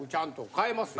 換えますよ。